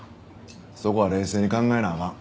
そこは冷静に考えなあかん。